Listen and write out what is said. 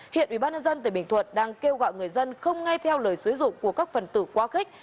hiện ubnd tỉnh bình thuận đang kêu gọi người dân không nghe theo lời xúi dục của các phần tử quá khích